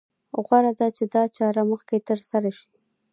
غوره ده چې دا چاره مخکې تر سره شي.